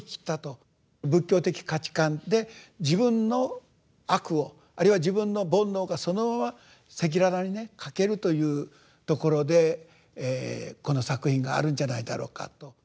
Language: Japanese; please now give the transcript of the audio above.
仏教的価値観で自分の悪をあるいは自分の煩悩がそのまま赤裸々にね書けるというところでこの作品があるんじゃないだろうかと。